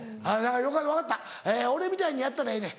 分かった俺みたいにやったらええねん。